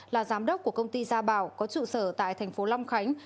là giám đốc của công ty gia bảo có trụ sở tại tp long khánh